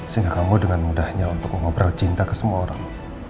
sehingga kamu dengan mudahnya untuk mengobrol cinta ke semua orang